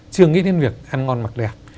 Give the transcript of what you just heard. chưa nghĩ đến việc ăn ngon mặc đẹp